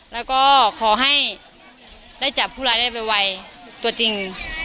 แล้วก็ขอให้ได้จับผู้ร้ายได้ไวตัวจริง